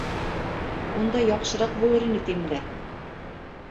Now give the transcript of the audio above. Унда яҡшыраҡ булыр ине, тим дә.